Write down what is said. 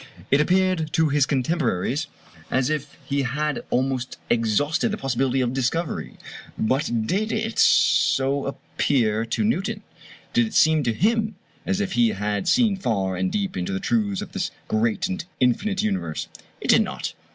It appeared to his contemporaries as if he had almost exhausted the possibility of discovery; but did it so appear to Newton? Did it seem to him as if he had seen far and deep into the truths of this great and infinite universe? It did not.